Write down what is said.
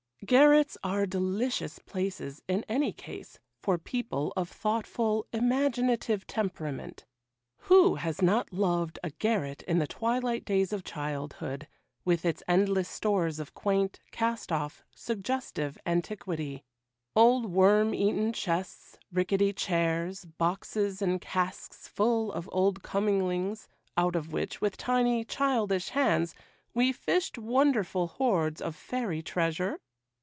Garrets are delicious places, in any case, for people of thoughtful, imaginative temperament. Who has not loved a garret in the twilight days of childhood, with its endless stores of quaint, cast off, suggestive antiquity,—old worm eaten chests,—rickety chairs,—boxes and casks full of old comminglings, out of which, with tiny, childish hands, we fished wonderful hoards of fairy treasure?